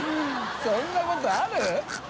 そんなことある？